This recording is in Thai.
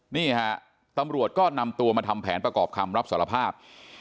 นี่ฮะตำรวจก็นำตัวมาทำแผนประกอบคำรับสารภาพ